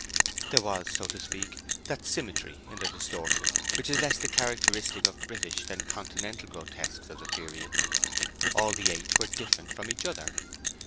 There was, so to speak, that symmetry in their distortion which is less the characteristic of British than of Continental grotesques of the period. All the eight were different from each other.